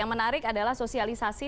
yang menarik adalah sosialisasi